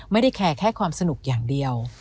ไม่ได้แคร์แค่ความสนุกอย่างเดียว